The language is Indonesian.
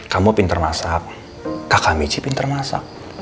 kamu pinter masak kakak mici pinter masak